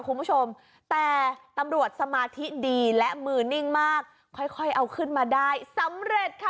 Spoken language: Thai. คุณผู้ชมแต่ตำรวจสมาธิดีและมือนิ่งมากค่อยค่อยเอาขึ้นมาได้สำเร็จค่ะ